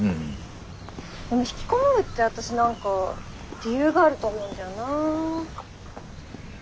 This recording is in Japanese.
でもひきこもるって私何か理由があると思うんだよなあ。